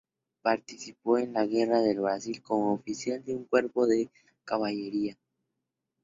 Participó en la guerra del Brasil como oficial de un cuerpo de caballería.